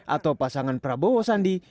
atau pasangan prabowo sandi